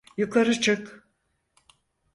Yukarı çık!